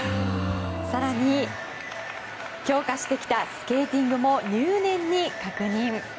更に、強化してきたスケーティングも入念に確認。